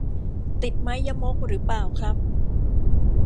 ติดไม้ยมกหรือเปล่าครับ